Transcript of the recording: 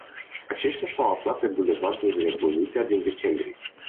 Aceștia s-au aflat pe Bulevardul Revoluția din decembrie.